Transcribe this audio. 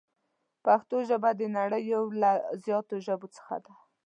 پښتو ژبه د نړۍ یو له زیاتو ژبو څخه ده.